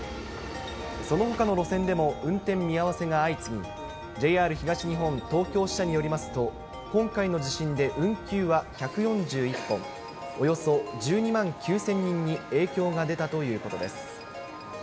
そのほかの路線でも運転見合わせが相次ぎ、ＪＲ東日本東京支社によりますと、今回の地震で運休は１４１本、およそ１２万９０００人に影響が出たということです。